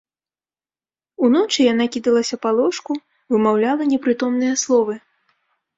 Уночы яна кідалася па ложку, вымаўляла непрытомныя словы.